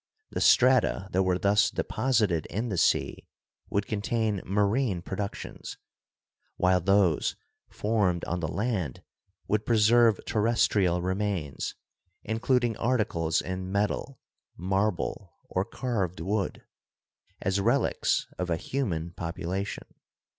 The strata that were thus deposited in the sea would contain marine productions, while those formed on the land would preserve terrestrial remains, including articles in metal, marble or carved wood, as relics of a human population.